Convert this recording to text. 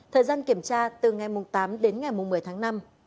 thời gian kiểm tra từ ngày tám đến ngày một mươi tháng năm